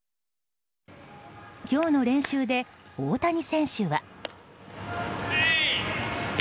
今日の練習で大谷選手は。